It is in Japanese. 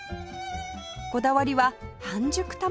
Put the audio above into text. こだわりは半熟卵